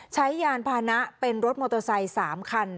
ยานพานะเป็นรถมอเตอร์ไซค์๓คัน